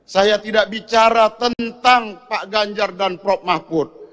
saya tidak bicara tentang pak ganjar dan prof mahfud